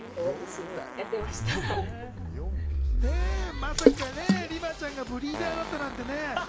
まさかＲＩＭＡちゃんがブリーダーだったなんてね。